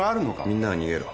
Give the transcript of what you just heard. みんなは逃げろ。